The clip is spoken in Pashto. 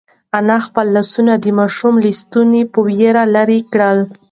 انا خپل لاسونه د ماشوم له ستوني په وېره کې لرې کړل.